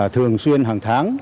thường xuyên hàng tháng